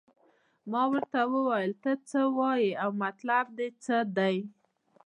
ما ورته وویل ته څه وایې او مطلب دې څه دی.